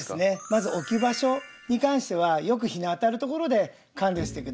まず置き場所に関してはよく日の当たるところで管理をして下さい。